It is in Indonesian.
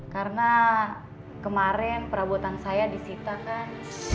karena kemarin perabotan saya disitakan